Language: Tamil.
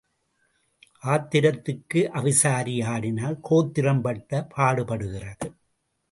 ஆத்திரத்துக்கு அவிசாரி ஆடினால் கோத்திரம் பட்ட பாடுபடுகிறது.